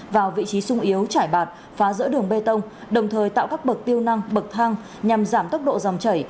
vào vị trí sung yếu trải bạt phá giữa đường bê tông đồng thời tạo các bậc tiêu năng bậc thang nhằm giảm tốc độ dòng chảy